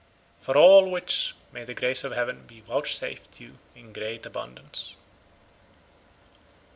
For all which may the grace of heaven be vouchsafed you in great abundance."